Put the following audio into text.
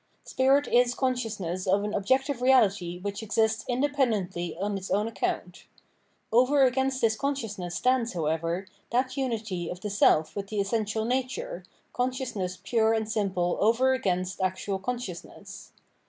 Spirit is consciousness of an objective reahty which exists independently on its own account. Over against this consciousness stands, however, that unity of the self with the essential nature, consciousness pure and simple over against actual consciousness.